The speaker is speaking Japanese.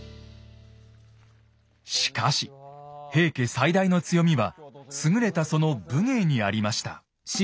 しかし平家最大の強みは優れたその武芸にありました。